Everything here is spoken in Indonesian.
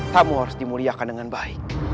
tamu harus dimuliakan dengan baik